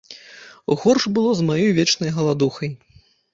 Горш было з маёй вечнай галадухай.